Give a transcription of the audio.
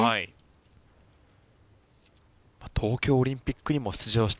東京オリンピックにも出場している